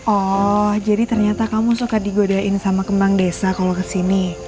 oh jadi ternyata kamu suka digodain sama kembang desa kalau kesini